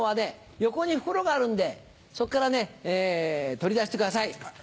横に袋があるんでそこから取り出してください。